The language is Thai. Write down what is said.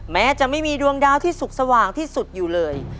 แม้จะไม่มีดวงดาวที่สุขสว่างที่สุดอยู่เลย